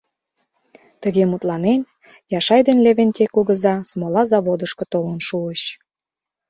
Тыге мутланен, Яшай ден Левентей кугыза смола заводышко толын шуыч.